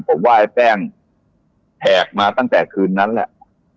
ผมว่าไอ้แป้งแหกมาตั้งแต่คืนนั้นแหละ